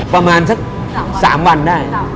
ประมาณสัก๓วันได้